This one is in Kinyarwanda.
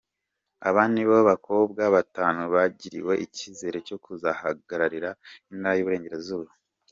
Aba nibo bakobwa batanu bagiriwe icyizere cyo kuzahagararira intara y'Uburengerazuba.